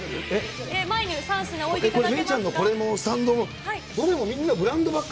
前に３品置いていただけますか。